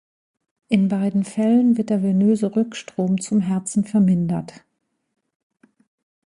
In beiden Fällen wird der venöse Rückstrom zum Herzen vermindert.